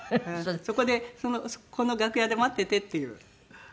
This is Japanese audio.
そこでこの楽屋で待っててっていう。